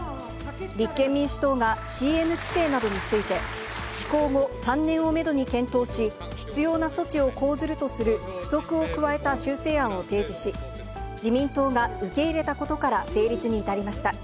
立憲民主党がＣＭ規制などについて、施行後３年をメドに検討し、必要な措置を講ずるとする付則を加えた修正案を提示し、自民党が受け入れたことから成立に至りました。